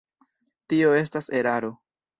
Tio estas eraro.